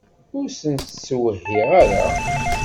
Ur sent-ttwehhiɣ ara.